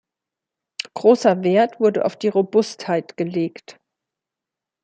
Großer Wert wurde auf die Robustheit gelegt.